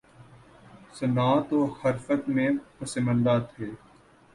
صنعت و حرفت میں پسماندہ تھے